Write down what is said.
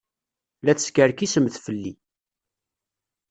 La teskerkisemt fell-i.